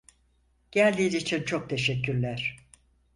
Geldiğin için çok teşekkürler.